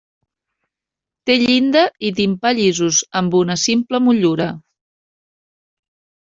Té llinda i timpà llisos, amb una simple motllura.